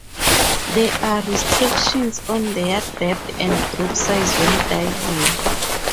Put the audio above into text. There are restrictions on their depth and group size when diving.